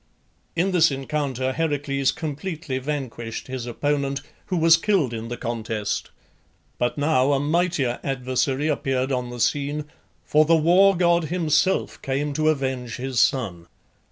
In this encounter Heracles completely vanquished his opponent, who was killed in the contest; but now a mightier adversary appeared on the scene, for the war god himself came to avenge his son.